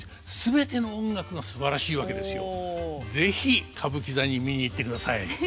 でも是非歌舞伎座に見に行ってください。